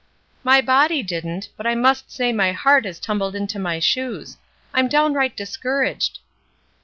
"My body didn't; but I must say my heart has tumbled into my shoes. I'm downright discouraged."